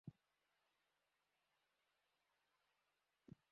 অনুষদের ডিন নিসার হোসেন স্যারও শুরু থেকে শেষ পর্যন্ত আমাদের সঙ্গে থাকেন।